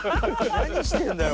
何してんだよ？